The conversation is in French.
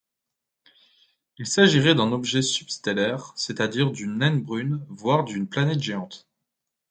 Il s'agirait d'un objet substellaire, c'est-à-dire d'une naine brune voire d'une planète géante.